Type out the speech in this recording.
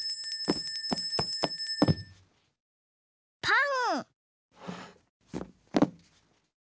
パン。